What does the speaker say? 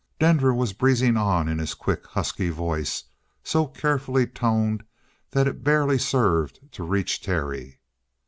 Denver was breezing on in his quick, husky voice, so carefully toned that it barely served to reach Terry.